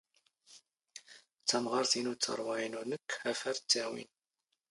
ⵜⴰⵎⵖⴰⵔⵜ ⵉⵏⵓ ⴷ ⵜⴰⵔⵡⴰ ⵉⵏⵓ ⵏⴽⴽ ⴰ ⴼ ⴰⵔ ⵜⵜⴰⵡⵉⵏ.